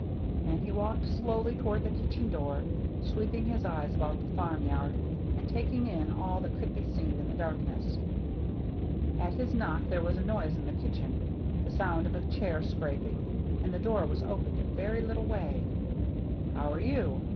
" And he walked slowly toward the kitchen door, sweeping his eyes about the farm yard and taking in all that could be seen in the darkness. At his knock there was a noise in the kitchen, — the sound of a chair scrap ing, — and the door was opened a very little way. " How are you